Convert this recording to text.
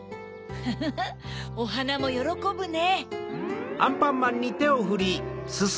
フフフおはなもよろこぶね。